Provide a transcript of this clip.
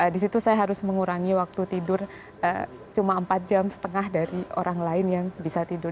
di situ saya harus mengurangi waktu tidur cuma empat jam setengah dari orang lain yang bisa tidur